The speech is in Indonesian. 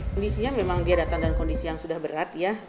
kondisinya memang dia datang dalam kondisi yang sudah berat ya